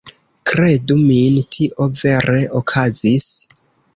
Kredu min, tio vere okazis.